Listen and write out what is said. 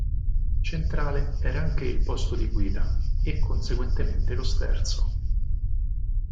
Centrale era anche il posto di guida e conseguentemente lo sterzo.